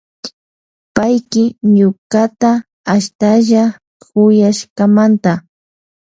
Payki ñukata ashtalla kuyashkamanta.